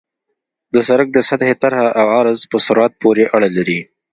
د سرک د سطحې طرح او عرض په سرعت پورې اړه لري